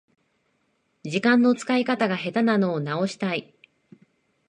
時間の使い方が下手なのを直したい